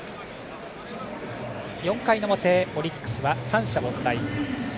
４回の表、オリックスは三者凡退。